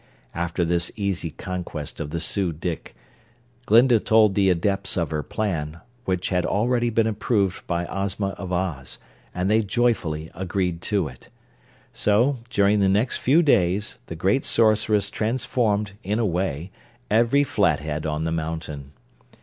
After this easy conquest of the Su dic, Glinda told the Adepts of her plan, which had already been approved by Ozma of Oz, and they joyfully agreed to it. So, during the next few days, the great Sorceress transformed, in a way, every Flathead on the mountain.